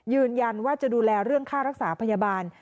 ยืนยันว่าจะดูแลเรื่องค่ารักษาพยาบาล